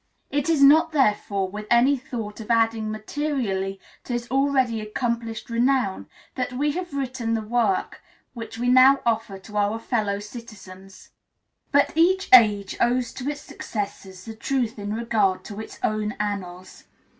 It is not, therefore, with any thought of adding materially to his already accomplished renown that we have written the work which we now offer to our fellow citizens. But each age owes to its successors the truth in regard to its own annals.